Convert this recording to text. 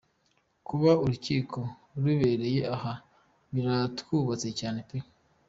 Kuba urukiko rubereye aha biratwubatse cyane pe!”.